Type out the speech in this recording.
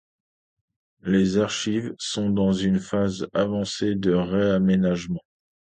Les archives sont dans une phase avancée de réaménagement.